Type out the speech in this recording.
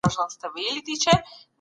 ماشومانو ته د کیسو ویل ګټور دي.